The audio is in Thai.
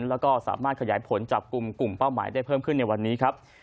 แล้วก็สามารถขยายผลจับกลุ่มกลุ่มเป้าหมายได้เพิ่มขึ้นในวันนี้ครับ